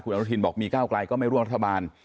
อนุทินบอกมีก้าวไกลก็ไม่ร่วมรัฐบาล